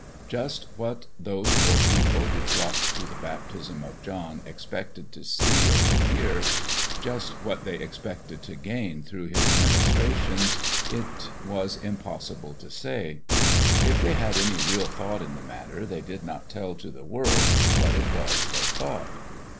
Just what those poor people who flocked to the baptism of John expected to see or to hear just what they expected to gain through his ministrations, it was impossible to say. If they had any real thought in the matter they did not tell to the world what it was they thought.